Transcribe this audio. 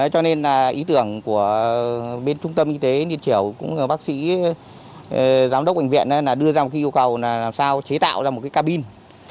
cho nên ý tưởng của bên trung tâm y tế ly chiểu cũng là bác sĩ giám đốc bệnh viện đưa ra một yêu cầu làm sao chế tạo ra một cabin